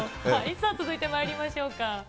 さあ、続いてまいりましょうか。